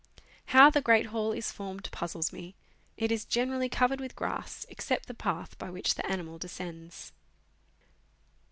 How the great hole is formed puzzles me; it is generally covered with grass, except the path by which the animal descends.